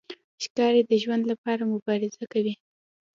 ښکاري د ژوند لپاره مبارزه کوي.